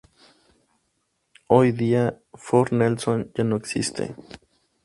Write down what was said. Hoy día, Fort Nelson ya no existe.